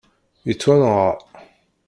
Yettwanɣa